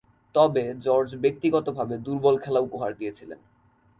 তবে, জর্জ ব্যক্তিগতভাবে দূর্বল খেলা উপহার দিয়েছিলেন।